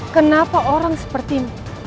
kenapa orang seperti ini